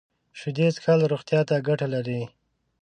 شیدې څښل روغتیا ته ګټه لري